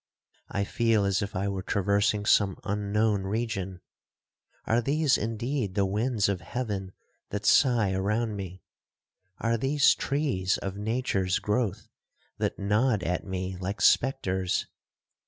I feel as if I were traversing some unknown region. Are these indeed the winds of heaven that sigh around me? Are these trees of nature's growth, that nod at me like spectres?